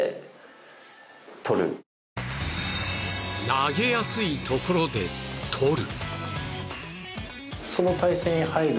投げやすいところでとる。